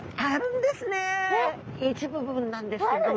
一部分なんですけれども。